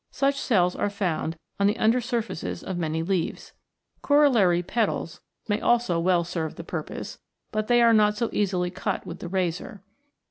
Such cells are found on the under surface of many leaves. Corollary petals may also 36 THE PROTOPLASMATIC MEMBRANE well serve the purpose, but they are not so easily cut with the razor.